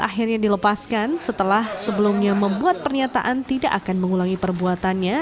akhirnya dilepaskan setelah sebelumnya membuat pernyataan tidak akan mengulangi perbuatannya